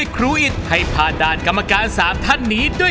คุณคะคุณอยู่กับสามท่านนี้เลย